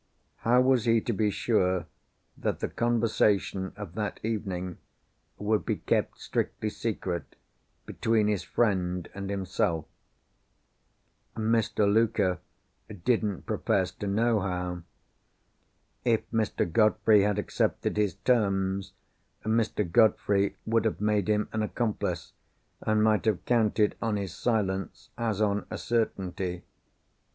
How was he to be sure that the conversation of that evening would be kept strictly secret between his friend and himself? Mr. Luker didn't profess to know how. If Mr. Godfrey had accepted his terms, Mr. Godfrey would have made him an accomplice, and might have counted on his silence as on a certainty.